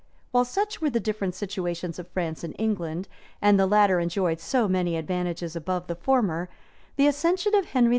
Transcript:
While such were the different situations of France and England, and the latter enjoyed so many advantages above the former, the accession of Henry II.